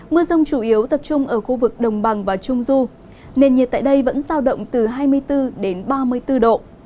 mưa rông chủ yếu tập trung ở khu vực đồng bằng và trung du nền nhiệt tại đây vẫn giao động từ hai mươi bốn đến ba mươi bốn độ